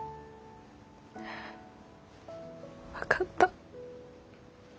分かった。